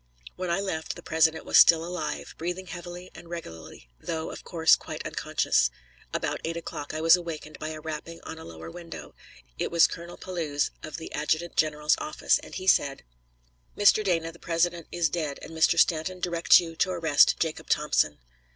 When I left, the President was still alive, breathing heavily and regularly, though, of course, quite unconscious. About eight o'clock I was awakened by a rapping on a lower window. It was Colonel Pelouze, of the adjutant general's office, and he said: "Mr. Dana, the President is dead, and Mr. Stanton directs you to arrest Jacob Thompson."